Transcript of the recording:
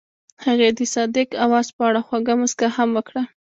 هغې د صادق اواز په اړه خوږه موسکا هم وکړه.